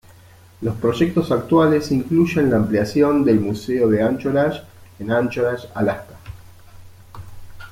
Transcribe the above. Los proyectos actuales incluyen la ampliación del Museo de Anchorage en Anchorage, Alaska.